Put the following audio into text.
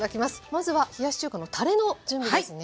まずは冷やし中華のたれの準備ですね。